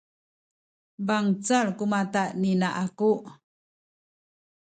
bangcal ku mata ni ina aku